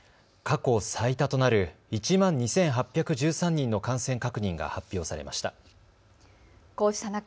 過去最多となる１万２８１３人の感染確認が発表されました。